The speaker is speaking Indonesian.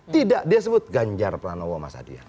tidak dia sebut ganjar pelan allah mas ardian